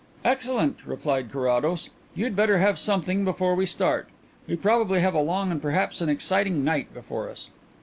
"Excellent," replied Carrados. "You'd better have something before we start. We probably have a long and perhaps an exciting night before us."